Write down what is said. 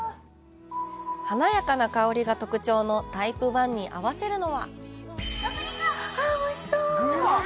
華やかな香りが特徴のタイプ１に合わせるのはわあ、おいしそう！